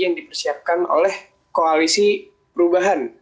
yang dipersiapkan oleh koalisi perubahan